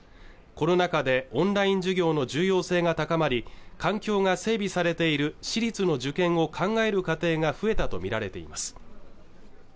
コロナ禍でオンライン授業の重要性が高まり環境が整備されている私立の受験を考える家庭が増えたと見られています